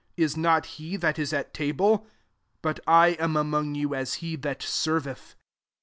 m not he kt is at table ? But I am feMAg you as he that senreth.